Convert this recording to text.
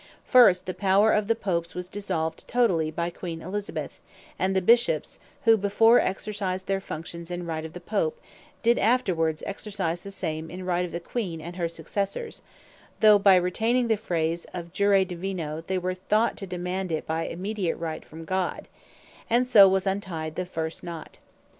First, the Power of the Popes was dissolved totally by Queen Elizabeth; and the Bishops, who before exercised their Functions in Right of the Pope, did afterwards exercise the same in Right of the Queen and her Successours; though by retaining the phrase of Jure Divino, they were thought to demand it by immediate Right from God: And so was untyed the first knot.